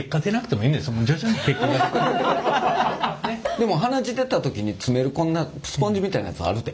でも鼻血出た時に詰めるこんなスポンジみたいなやつあるで。